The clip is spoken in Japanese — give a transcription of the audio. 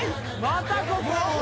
またここ？